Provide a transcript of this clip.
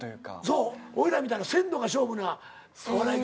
そうおいらみたいな鮮度が勝負なお笑い芸人。